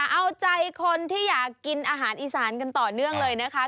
เอาใจคนที่อยากกินอาหารอีสานกันต่อเนื่องเลยนะคะ